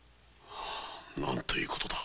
なんということだ！